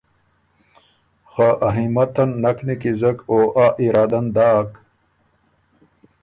خه ا همتن نک نیکیزک او آ ارادۀ ن داک